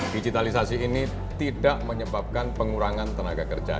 digitalisasi ini tidak menyebabkan pengurangan tenaga kerja